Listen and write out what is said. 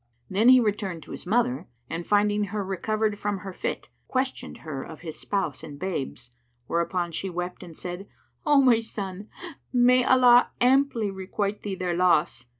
Then he returned to his mother and, finding her recovered from her fit, questioned her of his spouse and babes, whereupon she wept and said, "O my son, may Allah amply requite thee their loss!